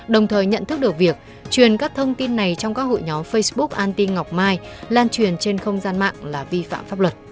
đồng thời nhận thức được việc truyền các thông tin này trong các hội nhóm facebook anti ngọc mai lan truyền trên không gian mạng là vi phạm pháp luật